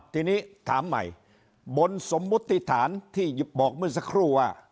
ทีนี้ถามใหม่บนสมมุติฐานที่บอกเมื่อสักครู่ว่า